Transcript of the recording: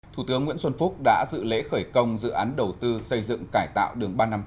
thủ tướng nguyễn xuân phúc đã dự lễ khởi công dự án đầu tư xây dựng cải tạo đường ba trăm năm mươi tám